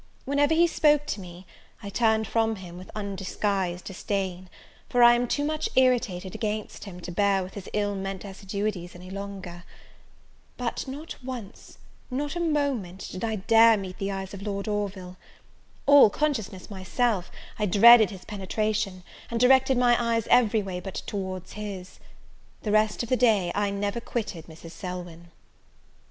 Whenever he spoke to me, I turned from him with undisguised disdain, for I am too much irritated against him, to bear with his ill meant assiduities any longer. But, not once, not a moment, did I dare meet the eyes of Lord Orville! All consciousness myself, I dreaded his penetration, and directed mine every way but towards his. The rest of the day I never quitted Mrs. Selwyn.